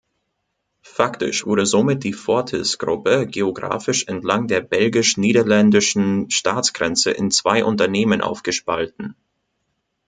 Faktisch wurde somit die Fortis-Gruppe geografisch entlang der belgisch-niederländischen Staatsgrenze in zwei Unternehmen aufgespalten.